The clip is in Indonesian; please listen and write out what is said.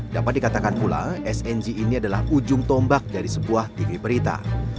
dapat dikatakan pula sng ini adalah ujung tombak dari sebuah tv berita